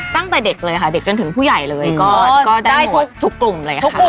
ตั้งแต่เด็กเลยค่ะเด็กจนถึงผู้ใหญ่เลยก็ได้ทุกกลุ่มเลยค่ะ